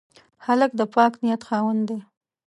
هلک د پاک نیت خاوند دی.